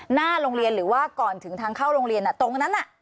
หน้าโรงเรียนหรือว่าก่อนถึงทางเข้าโรงเรียนตรงนั้น